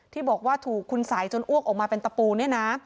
ที่บอกว่าถูกคุณสัยจนอ้วกออกมาเป็นตะปูเนี่ยนะ